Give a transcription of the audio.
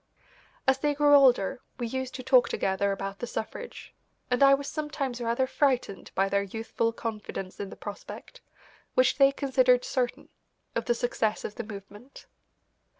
As they grew older we used to talk together about the suffrage, and I was sometimes rather frightened by their youthful confidence in the prospect, which they considered certain, of the success of the movement.